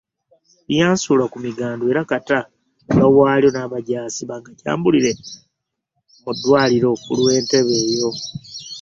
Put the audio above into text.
Lyansuula ku migandu era kata bba waalyo n'abajaasi bangajambulire mu ddwaaliro ku lw'e Ntebe eyo.